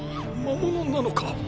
魔物なのか？